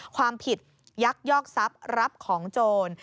ความผิดยักยอกทรัพย์รับของโจร